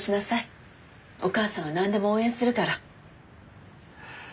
お母さんは何でも応援するから。